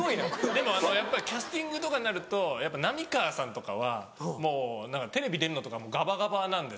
でもやっぱりキャスティングとかになるとやっぱ浪川さんとかはもう何かテレビ出るのとかもがばがばなんで。